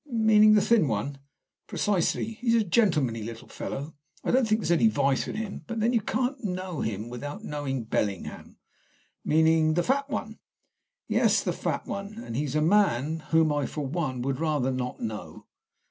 "Meaning the thin one?" "Precisely. He is a gentlemanly little fellow. I don't think there is any vice in him. But then you can't know him without knowing Bellingham." "Meaning the fat one?" "Yes, the fat one. And he's a man whom I, for one, would rather not know."